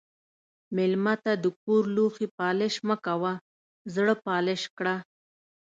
مېلمه ته د کور لوښي پالش مه کوه، زړه پالش کړه.